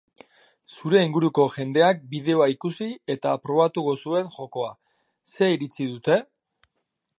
Zure inguruko jendeak bideoa ikusi eta probatuko zuen jokoa, ze iritzi dute?